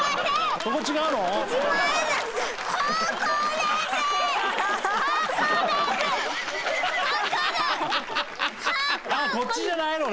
富澤：こっちじゃないのね？